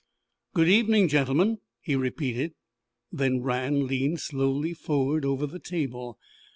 "Good evening, gentlemen!" he repeated. Then Rann leaned slowly forward over the table.